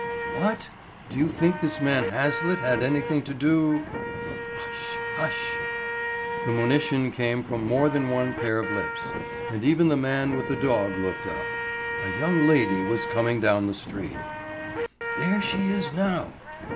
"What! do you think this man Hazlitt had anything to do——" "Hush, hush." The monition came from more than one pair of lips; and even the man with the dog looked up. A young lady was coming down the street. "There she is now."